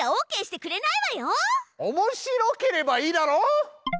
おもしろければいいだろ！